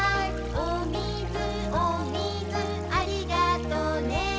「おみずおみずありがとね」